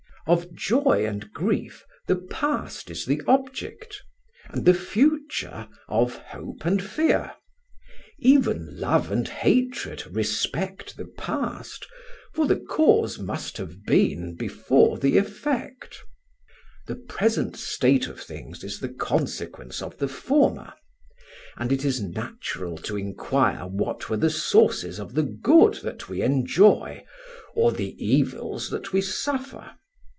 Of joy and grief, the past is the object, and the future of hope and fear; even love and hatred respect the past, for the cause must have been before the effect. "The present state of things is the consequence of the former; and it is natural to inquire what were the sources of the good that we enjoy, or the evils that we suffer.